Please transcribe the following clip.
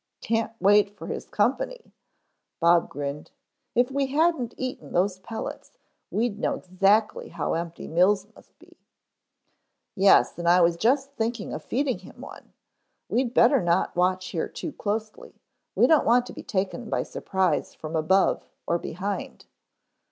"Can't wait for his company," Bob grinned. "If we hadn't eaten those pellets we'd know exactly how empty Mills must be." "Yes, and I was just thinking of feeding him one. We'd better not watch here too closely, we don't want to be taken by surprise from above or behind."